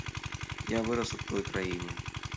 Я вырас у той краіне.